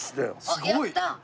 あっやった！